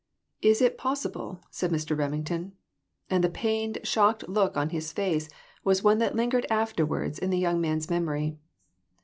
"Is it possible?" said Mr. Remington; and the pained, shocked look on his face was one that lingered afterward in the young man's memory.